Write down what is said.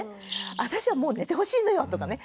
「私はもう寝てほしいのよ」とかね